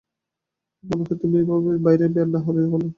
আমার মনে হয় তুমি এভাবে বাইরে বের না হলেই ভালো হবে।